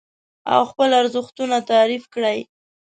او خپل ارزښتونه تعريف کړئ.